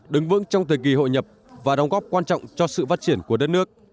đứng vững trong thời kỳ hội nhập và đóng góp quan trọng cho sự phát triển của đất nước